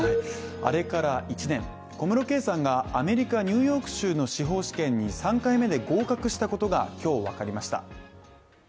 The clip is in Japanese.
あれから１年、小室圭さんがアメリカ・ニューヨーク州の司法試験に３回目で合格したことが今日、分かりました。